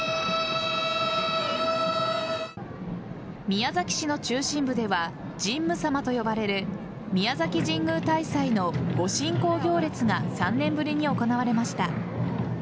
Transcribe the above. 宮崎市の中心部では神武さまと呼ばれる宮崎神宮大祭の御神幸行列が３年ぶりに行われました。